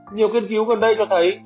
nhiều kiên cứu gần đây cho thấy